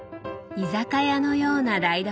居酒屋のような台所。